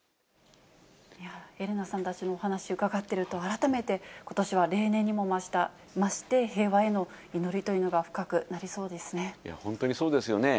エレナさんたちのお話を伺ってると、改めて、ことしは例年にも増して、平和への祈りというの本当にそうですよね。